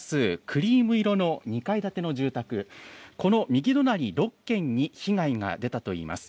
クリーム色の２階建ての住宅、この右隣６軒に被害が出たといいます。